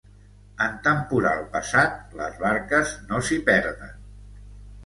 En temporal passat, les barques no s'hi perden.